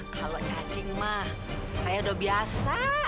kalau cacing mah saya udah biasa